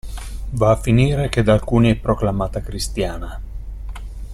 Va a finire che da alcuni è proclamata cristiana.